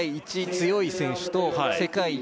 強い選手と世界一